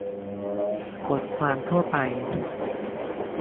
- "บทความทั่วไป"